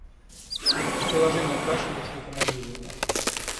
Приложение крашнулось не по моей вине.